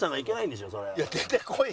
いや出てこい。